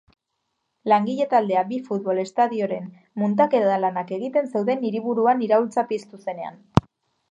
Langile taldea bi futbol estadioren muntaketa lanak egiten zeuden hiriburuan iraultza piztu zenean.